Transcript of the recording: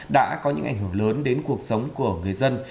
đã có những ảnh hưởng lớn đến cuộc sống của người dân